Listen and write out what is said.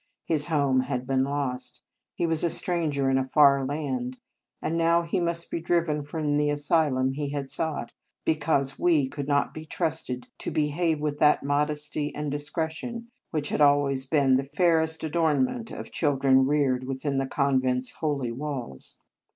His home had been lost. He was a stranger in a far land. And now he must be driven from the asylum he had sought, because we could not be trusted to behave with that modesty and discretion which had always been the fairest adornment of children reared within the convent s holy walls.